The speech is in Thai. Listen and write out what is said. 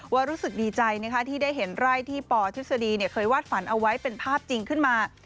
รู้สึกดีใจที่ได้เห็นไร่ที่ปทฤษฎีเคยวาดฝันเอาไว้เป็นภาพจริงขึ้นมา